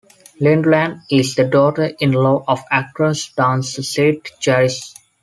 Lindeland is the daughter-in-law of actress-dancer Cyd Charisse.